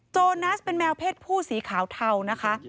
โนัสเป็นแมวเพศผู้สีขาวเทานะคะ